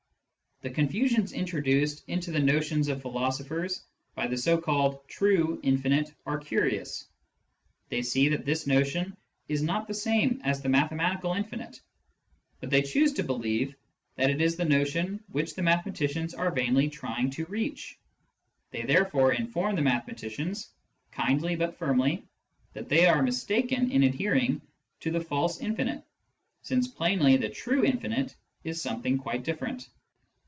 The confusions introduced into the notions of philoso phers by the so called " true " infinite are curious. They see that this notion is not the same as the mathematical infinite, but they choose to believe that it is the notion which the mathematicians are vainly trying to reach. They therefore inform the mathematicians, kindly but firmly, that they are mistaken in adhering to the " false " infinite, since plainly the "true" infinite is something quite diflFerent.